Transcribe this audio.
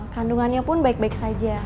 kandungannya pun baik baik saja